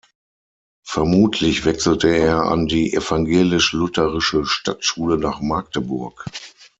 Vermutlich wechselte er an die evangelisch-lutherische Stadtschule nach Magdeburg.